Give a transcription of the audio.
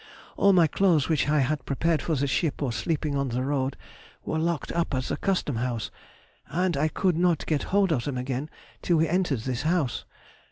All my clothes which I had prepared for the ship or sleeping on the road were locked up at the Custom house, and I could not get hold of them again till we entered this house.